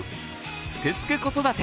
「すくすく子育て」